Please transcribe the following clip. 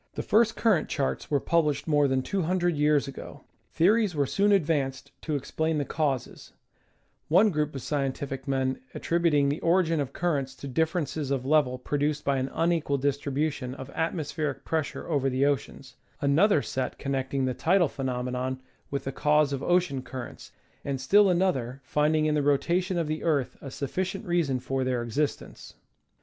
The first current charts were published more than two hun dred years ago. Theories were soon advanced to explain the causes, one group of scientific men attributing the origin of cur rents to differences of level produced by an unequal distribution of atmospheric pressure over the oceans, another set connecting the tidal phenomena with the cause of ocean currents, and still another finding in the rotation of the earth a sufficient reason for their existence.